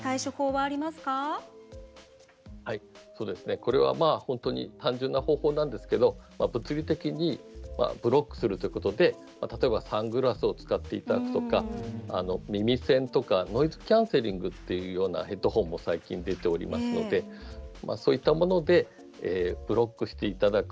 これは単純な方法なんですけど物理的にブロックすることで例えばサングラスを使っていただくとか耳栓とかノイズキャンセリングとかのヘッドホンも最近は出ておりますのでそういったものでブロックしていただく。